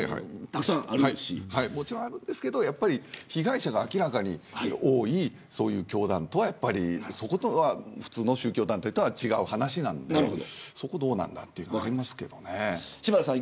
たくさんあるんですけど被害者が明らかに多い教団とは、やっぱり、そことは普通の宗教団体とは違う話なんでそこは、どうなんだという話もありますけど。